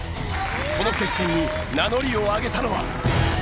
この決戦に名乗りを上げたのは。